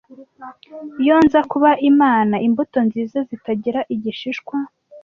iyo nza kuba imana imbuto nziza zitagira igishishwa